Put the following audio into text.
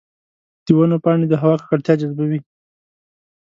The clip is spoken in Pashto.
د ونو پاڼې د هوا ککړتیا جذبوي.